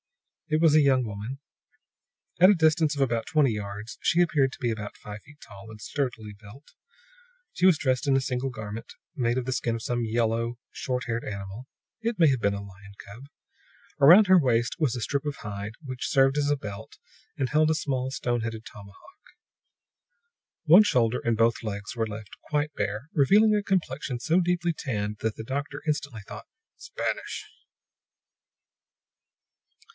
It was a young woman. At a distance of about twenty yards she appeared to be about five feet tall and sturdily built. She was dressed in a single garment, made of the skin of some yellow, short haired animal. It may have been a lion cub. Around her waist was a strip of hide, which served as a belt, and held a small, stone headed tomahawk. One shoulder and both legs were left quite bare, revealing a complexion so deeply tanned that the doctor instantly thought: "Spanish!"